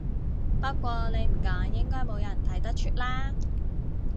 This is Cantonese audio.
不過你唔講應該冇人睇得出啦